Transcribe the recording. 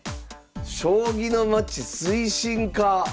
「将棋のまち推進課」！